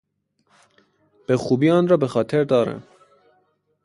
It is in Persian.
به خوبی آن را به خاطر دارم.